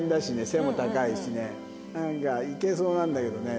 背も高いしねなんかいけそうなんだけどね